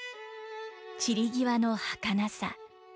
散り際のはかなさ。